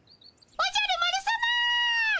おじゃる丸さま！